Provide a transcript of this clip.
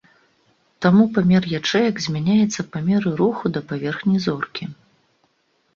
Таму памер ячэек змяняецца па меры руху да паверхні зоркі.